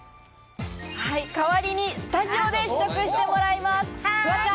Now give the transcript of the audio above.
代わりにスタジオで試食してもらいましょう。